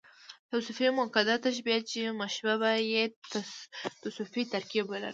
توصيفي مؤکده تشبیه، چي مشبه به ئې توصیفي ترکيب ولري.